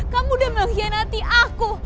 kamu udah mengkhianati aku